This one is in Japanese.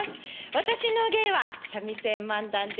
私の芸は三味線漫談です。